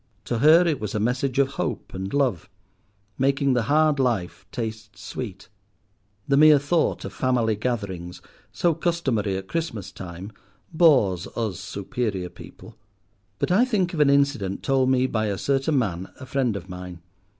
To her it was a message of hope and love, making the hard life taste sweet. The mere thought of family gatherings, so customary at Christmas time, bores us superior people; but I think of an incident told me by a certain man, a friend of mine.